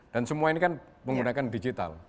dan semua ini kan menggunakan digital